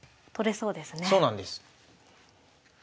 そうなんです。